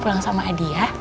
pulang sama adi ya